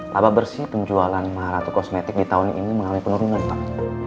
laba bersih penjualan maharatu kosmetik di tahun ini mengalami penurunan pak